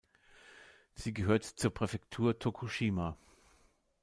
Sie gehört zur Präfektur Tokushima.